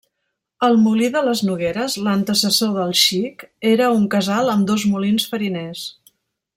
El molí de les Nogueres –l’antecessor del Xic– era un casal amb dos molins fariners.